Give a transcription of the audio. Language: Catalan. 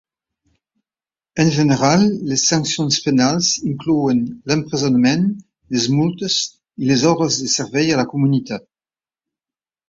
En general, les sancions penals inclouen l'empresonament, les multes i les ordres de servei a la comunitat.